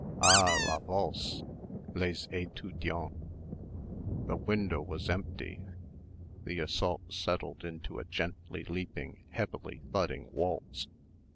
"Ah! la valse ... les étudiants." The window was empty. The assault settled into a gently leaping, heavily thudding waltz.